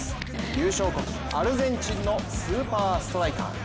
優勝国、アルゼンチンのスーパーストライカー。